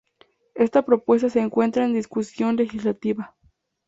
Esta propuesta se encuentra en discusión legislativa.